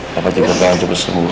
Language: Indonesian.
papa tinggal tinggal cukup semua